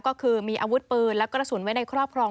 ก็คือมีอาวุธปืนและกระสุนไว้ในครอบครอง